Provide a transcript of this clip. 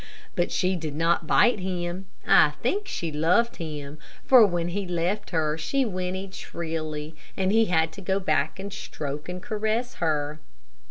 But she did not bite him. I think she loved him, for when he left her she whinnied shrilly, and he had to go back and stroke and caress her.